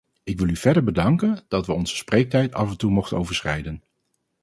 Ik wil u verder bedanken dat we onze spreektijd af en toe mochten overschrijden.